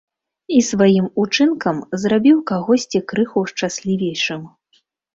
І сваім учынкам зрабіў кагосьці крыху шчаслівейшым.